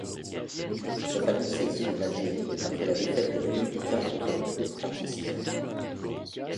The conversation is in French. Sa famille s'exile en Algérie après la défaite des républicains contre les troupes franquistes.